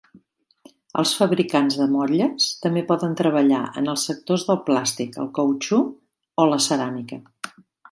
Els fabricants de motlles també poden treballar en els sectors del plàstic, el cautxú o la ceràmica.